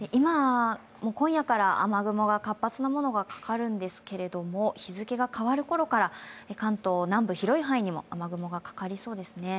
今夜から雨雲が活発なものがかかるんですけども、日付が変わるころから関東南部、広い範囲にも雨雲がかかりそうですね。